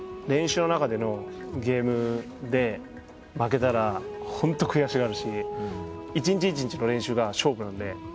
練習の中でのゲームで負けたらホント悔しがるし１日１日の練習が勝負なので。